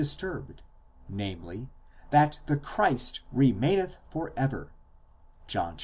disturbed, namely, that the Christ remaineth for ever (John xii.